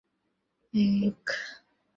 কুন্দর ছেলেটির বড় কঠিন অসুখ হইয়াছিল।